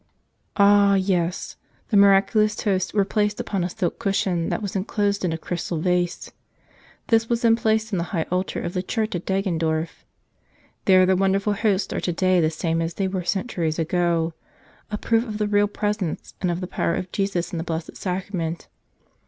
Ah, yes; the miraculous Hosts were placed upon a silk cushion that was enclosed in a crystal vase. This was then placed in the High Altar of the church at Deggendorf. There the wonderful Hosts are today, the same as they were centuries ago, a proof of the Real Presence and of the power of Jesus in the Blessed Sacrament.